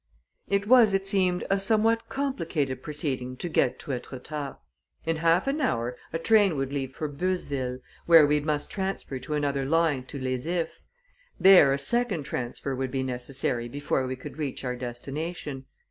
It was, it seemed, a somewhat complicated proceeding to get to Etretat. In half an hour, a train would leave for Beuzeville, where we must transfer to another line to Les Ifs; there a second transfer would be necessary before we could reach our destination.